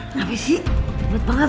enggak berisik cepet banget